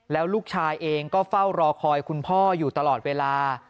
แล้วลูกชายเองก็เฝ้ารอคอยคุณพ่ออยู่ตลอดเวลา